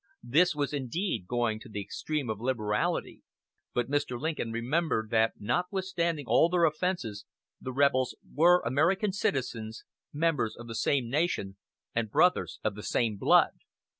(*) This was indeed going to the extreme of liberality, but Mr. Lincoln remembered that notwithstanding all their offenses the rebels were American citizens, members of the same nation and brothers of the same blood.